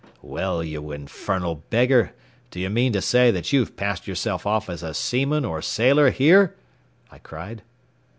"Well, you infernal beggar, do you mean to say that you've passed yourself off as a seaman or sailor here?" I cried.